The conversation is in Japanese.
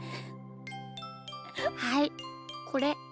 はいこれ。